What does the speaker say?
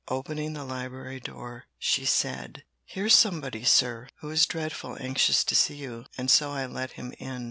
Opening the library door, she said: "Here's somebody, sir, who is dreadful anxious to see you, and so I let him in."